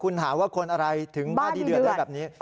คุณหาว่าคนอะไรถึงบ้านดีเดือดแล้วแบบนี้